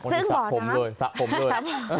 ซึ่งบ่อน้ำสะผมเลยสะผมเลย